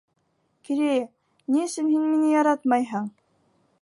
Керея, ни өсөн һин мине яратмайһың?